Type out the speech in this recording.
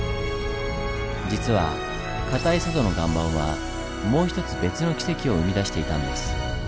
実はかたい佐渡の岩盤はもうひとつ別のキセキを生み出していたんです。